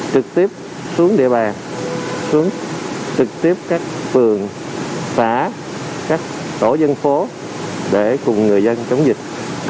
trực tiếp xuống địa bàn xuống trực tiếp các phường xã các tổ dân phố để cùng người dân chống dịch